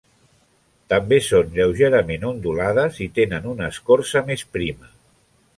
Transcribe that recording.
També són lleugerament ondulades i tenen una escorça més prima.